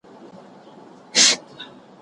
موږ باید له انټرنیټ څخه سمه ګټه واخلو.